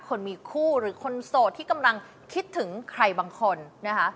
คนมีคู่หรือคนโสดที่กำลังคิดถึงใครบางคนนะคะ